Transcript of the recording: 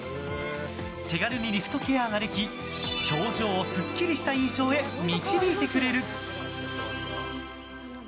手軽にリフトケアができ表情をスッキリした印象へ導いてくれる。